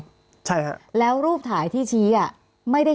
พี่เรื่องมันยังไงอะไรยังไง